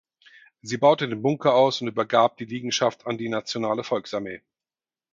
Sie baute den Bunker aus und übergab die Liegenschaft an die Nationale Volksarmee.